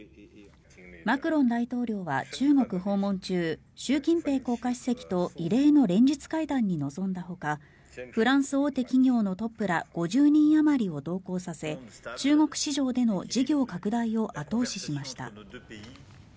マクロン大統領は中国訪問中習近平国家主席と異例の連日会談に臨んだほかフランス大手企業のトップら５０人あまりを同行させ中国市場での事業拡大を後押ししました。